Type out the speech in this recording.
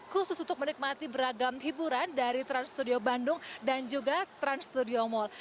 khusus untuk menikmati beragam hiburan dari trans studio bandung dan juga trans studio mall